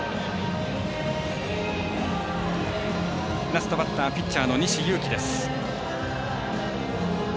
ラストバッターピッチャーの西勇輝。